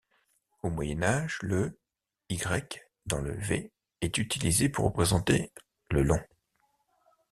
Au Moyen Âge, le y dans le v est utilisé pour représenter le long.